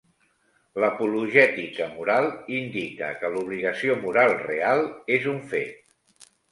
L'apologètica moral indica que l'obligació moral real és un fet.